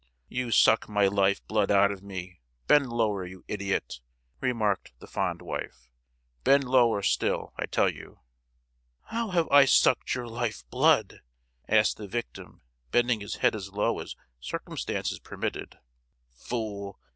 "You suck my life blood out of me—bend lower, you idiot!" remarked the fond wife—"bend lower still, I tell you!" "How have I sucked your life blood?" asked the victim, bending his head as low as circumstances permitted. "Fool!